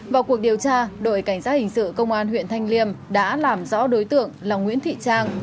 vào cuộc điều tra đội cảnh sát hình sự công an huyện thanh liêm đã làm rõ đối tượng là nguyễn thị trang